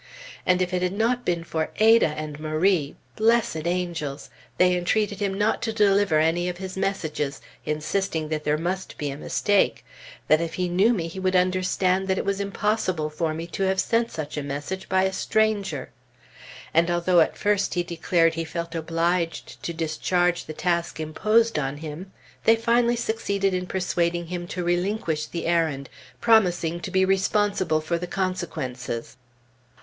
And if it had not been for Ada and Marie ! Blessed angels! they entreated him not to deliver any of his messages, insisting that there must be a mistake, that if he knew me he would understand that it was impossible for me to have sent such a message by a stranger. And although at first he declared he felt obliged to discharge the task imposed on him, they finally succeeded in persuading him to relinquish the errand, promising to be responsible for the consequences.